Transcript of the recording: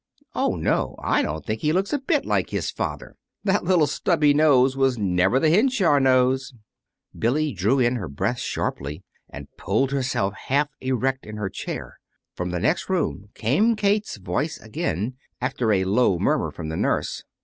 "Oh, no, I don't think he looks a bit like his father. That little snubby nose was never the Henshaw nose." Billy drew in her breath sharply, and pulled herself half erect in her chair. From the next room came Kate's voice again, after a low murmur from the nurse.